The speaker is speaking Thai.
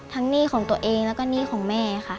หนี้ของตัวเองแล้วก็หนี้ของแม่ค่ะ